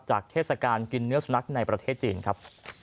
เทศกาลกินเนื้อสุนัขในประเทศจีนครับ